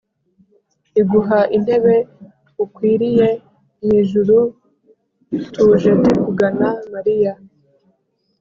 iguha intebe ukwiriye mu ijurutuje tukugana maria